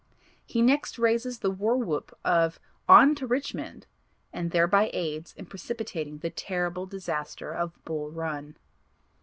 He next raises the war whoop of "On to Richmond," and thereby aids in precipitating the terrible disaster of Bull Run.